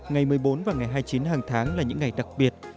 ngày một mươi bốn và ngày hai mươi chín hàng tháng là những ngày đặc biệt